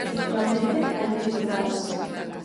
Efectivamente, hai dificultades.